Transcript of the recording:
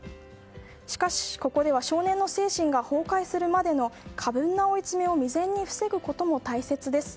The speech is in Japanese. しかし、ここでは少年の精神が崩壊するまでの過分な追い詰めを未然に防ぐことも大切です。